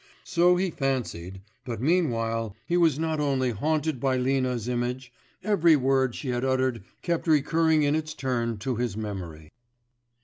So he fancied, but meanwhile he was not only haunted by Lina's image every word she had uttered kept recurring in its turn to his memory.